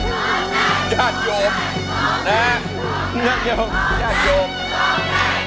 ร้องใหญ่ร้องใหญ่ร้องใหญ่ร้องใหญ่